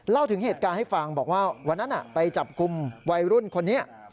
เล่าถึงเหตุการณ์ให้ฟังบอกว่าวันนั้นไปจับกลุ่มวัยรุ่นคนนี้